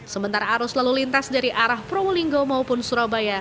sementara arus lalu lintas dari arah probolinggo maupun surabaya